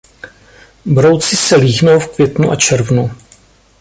Brouci se líhnou v květnu a červnu.